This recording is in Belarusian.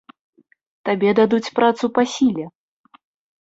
Табе дадуць працу па сіле.